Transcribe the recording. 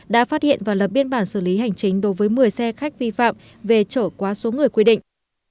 đã phát hiện và lập biên bản xử lý hành chính đối với một mươi xe khách vi phạm về trở quá số người quy định